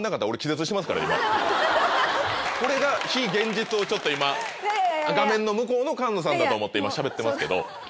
これが非現実をちょっと今画面の向こうの菅野さんだと思って今しゃべってますけど。